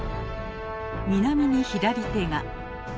南に左手が。